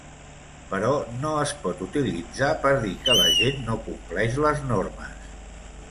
Però no es pot utilitzar per dir que la gent no compleix les normes.